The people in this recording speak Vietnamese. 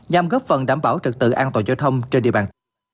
nhằm góp phần đảm bảo trật tự an toàn giao thông trên địa bàn